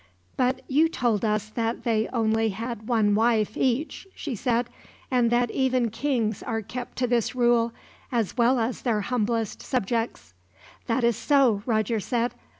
"But you told us that they only had one wife, each," she said; "and that even kings are kept to this rule, as well as their humblest subjects." "That is so," Roger said.